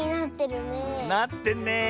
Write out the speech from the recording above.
なってんねえ。